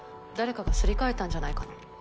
誰かがすり替えたんじゃないかな。